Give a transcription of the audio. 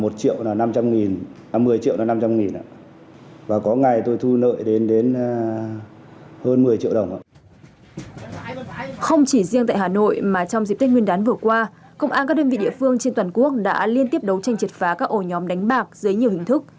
đấu tranh triệt phá các ổ nhóm đánh bạc dưới nhiều hình thức